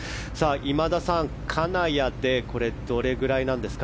今田さん、金谷でどれくらいなんですか？